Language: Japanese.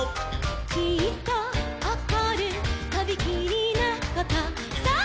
「きっとおこるとびきりなことさあ」